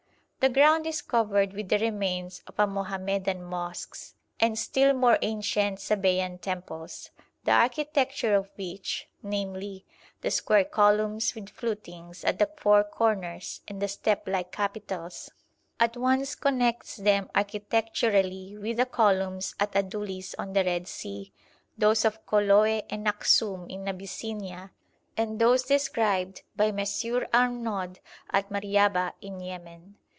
The ground is covered with the remains of Mohammedan mosques, and still more ancient Sabæan temples, the architecture of which namely, the square columns with flutings at the four corners, and the step like capitals at once connects them architecturally with the columns at Adulis on the Red Sea, those of Koloe and Aksum in Abyssinia, and those described by M. Arnaud at Mariaba in Yemen.